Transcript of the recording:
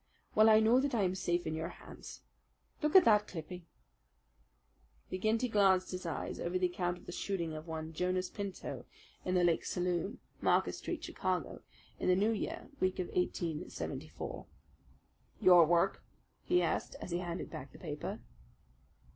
Well, I know that I am safe in your hands. Look at that clipping." McGinty glanced his eyes over the account of the shooting of one Jonas Pinto, in the Lake Saloon, Market Street, Chicago, in the New Year week of 1874. "Your work?" he asked, as he handed back the paper.